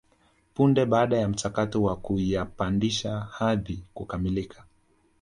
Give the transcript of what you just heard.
Punde baada ya mchakato wa kuyapandisha hadhi kukamilika